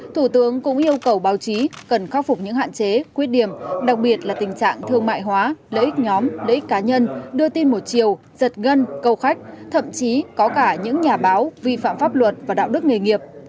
thủ tướng cũng yêu cầu báo chí cần khắc phục những hạn chế khuyết điểm đặc biệt là tình trạng thương mại hóa lợi ích nhóm lợi ích cá nhân đưa tin một chiều giật gân câu khách thậm chí có cả những nhà báo vi phạm pháp luật và đạo đức nghề nghiệp